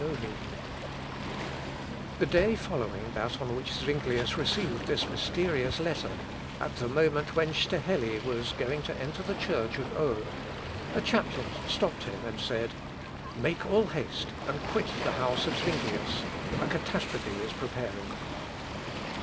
] The day following that on which Zuinglius received this mysterious letter, at the moment when Staheli was going to enter the church of Eau, a chaplain stopped him and said, "Make all haste and quit the house of Zuinglius; a catastrophe is preparing."